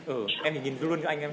ừ em nhìn luôn cho anh